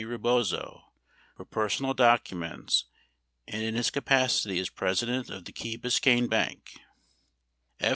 Rebozo — for personal doc uments and in his capacity as president of the Key Biscayne Bank — F.